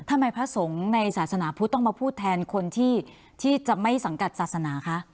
พระสงฆ์ในศาสนาพุทธต้องมาพูดแทนคนที่จะไม่สังกัดศาสนาคะ